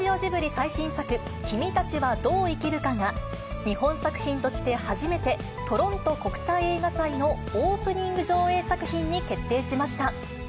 最新作、君たちはどう生きるかが、日本作品として初めて、トロント国際映画祭のオープニング上映作品に決定しました。